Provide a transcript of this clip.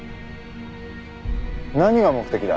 何が目的だ？